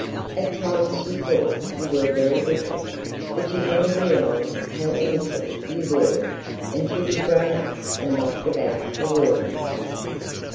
At times you thought you were very wicked, but you never realize how innocent you were until you've grown up and knocked about the world.